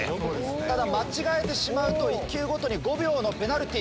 ただ間違えてしまうと１球ごとに５秒のペナルティー。